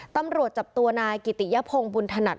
ตำรวจจับตัวนายกิติยพงศ์บุญถนัด